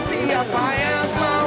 siapa yang mau